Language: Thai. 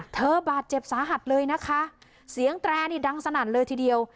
บาดเจ็บสาหัสเลยนะคะเสียงแตรนี่ดังสนั่นเลยทีเดียว